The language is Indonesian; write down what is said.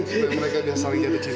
supaya mereka udah saling jatuh cinta